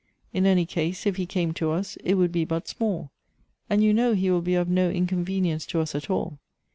In any case, if he came to us, it would be but small ; and you know he will be of no inconvenience to us at all.